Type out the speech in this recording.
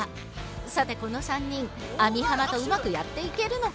さてこの３人網浜とうまくやっていけるのか。